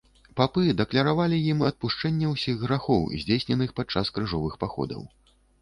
Папы дакляравалі ім адпушчэнне ўсіх грахоў, здзейсненых пад час крыжовых паходаў.